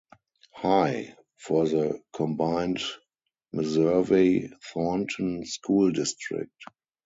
High, for the combined Meservey-Thornton school district.